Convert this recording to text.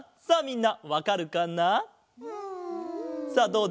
さあみんなわかるかな？